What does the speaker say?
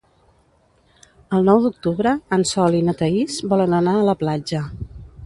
El nou d'octubre en Sol i na Thaís volen anar a la platja.